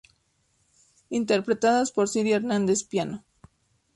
Interpretadas por Sira Hernandez, piano.